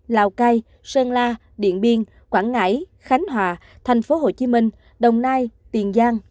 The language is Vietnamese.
lào cai sơn la điện biên quảng ngãi khánh hòa thành phố hồ chí minh đồng nai tiền giang